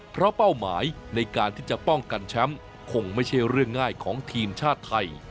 เพราะเป้าหมายในการที่จะป้องกันแชมป์คงไม่ใช่เรื่องง่ายของทีมชาติไทย